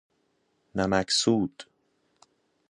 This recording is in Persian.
نمک سود